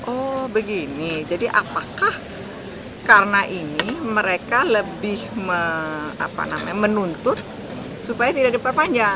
oh begini jadi apakah karena ini mereka lebih menuntut supaya tidak diperpanjang